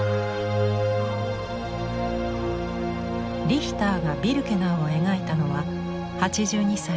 リヒターが「ビルケナウ」を描いたのは８２歳の時。